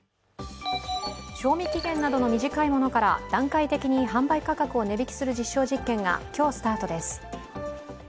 賞味期限などの短いものから段階的に販売価格を値引きする実証実験が今日スタートです。